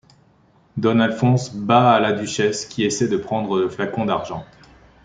Don Alphonse, bas à la duchesse, qui essaie de prendre le flacon d’argent.